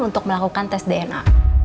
untuk melakukan tes dna